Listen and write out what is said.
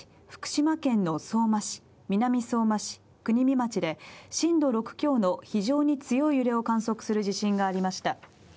福島県の相馬市、南相馬市、国見町で震度６強の非常に強い揺れを観測する地震がありました。